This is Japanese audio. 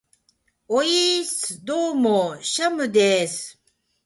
ｵｨｨｨｨｨｨｯｽ!どうもー、シャムでーす。